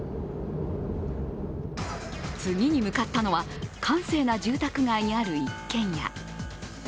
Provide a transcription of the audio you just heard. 次に向かったのは閑静な住宅街にある一軒家。